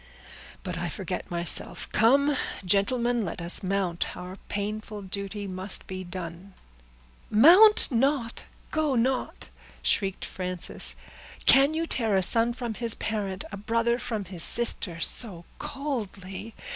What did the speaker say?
"But I forget myself; come, gentlemen, let us mount, our painful duty must be done." "Mount not! go not!" shrieked Frances. "Can you tear a son from his parent—a brother from his sister, so coldly?